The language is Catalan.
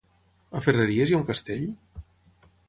A Ferreries hi ha un castell?